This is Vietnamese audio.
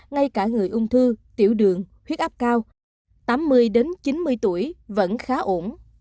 ngay cả người ung thư tiểu đường huyết áp cao tám mươi chín mươi tuổi vẫn khá ổn